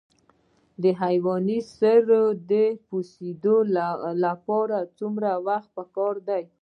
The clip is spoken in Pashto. د حیواني سرې د پوسیدو لپاره څومره وخت پکار دی؟